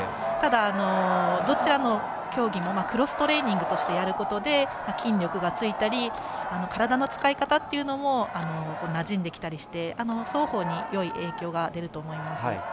ただ、どちらの競技もクロストレーニングとしてやることで、筋力がついたり体の使い方っていうのもなじんできたりして双方にいい影響が出ると思います。